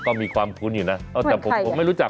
ก็มีความคุ้นอยู่นะแต่ผมไม่รู้จัก